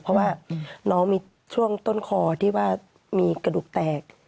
เพราะว่าน้องมีช่วงต้นคอที่ว่ามีกระดูกแตก